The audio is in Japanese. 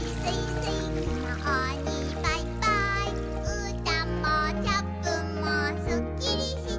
「うーたんもチャップンもスッキリして」